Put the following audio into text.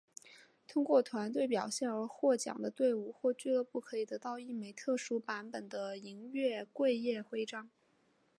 通过团队表现而获奖的队伍或俱乐部可以得到一枚特殊版本的银月桂叶徽章。